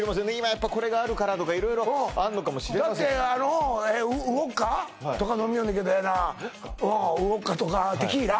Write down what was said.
やっぱこれがあるからとか色々あるのかもしれませんウォッカ？とか飲みよんのけどやなウォッカとかテキーラ？